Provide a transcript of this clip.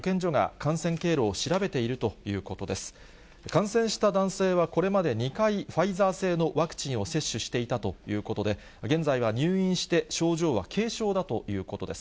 感染した男性はこれまで２回、ファイザー製のワクチンを接種していたということで、現在は入院して、症状は軽症だということです。